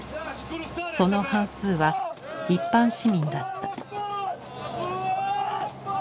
その半数は一般市民だった。